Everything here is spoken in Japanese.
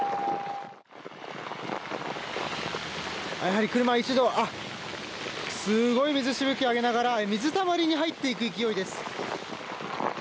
やはり車が一度すごい水しぶきを上げながら水たまりに入っていく勢いです。